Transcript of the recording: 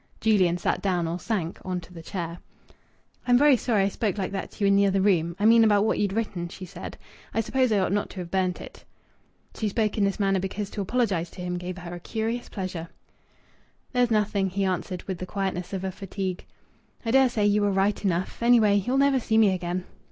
Julian sat down, or sank, on to the chair. "I'm very sorry I spoke like that to you in the other room I mean about what you'd written," she said. "I suppose I ought not to have burnt it." She spoke in this manner because to apologize to him gave her a curious pleasure. "That's nothing," he answered, with the quietness of fatigue. "I dare say you were right enough. Anyhow, ye'll never see me again."